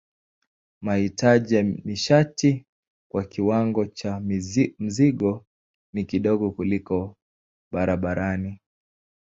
Mahitaji ya nishati kwa kiwango cha mzigo ni kidogo kuliko barabarani.